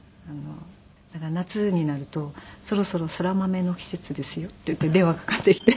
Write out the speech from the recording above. だから夏になると「そろそろ空豆の季節ですよ」って言って電話かかってきて。